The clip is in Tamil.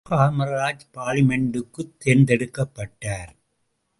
காமராஜ் பார்லிமெண்டுக்குத் தேர்ந்தெடுக்கப்பட்டார்.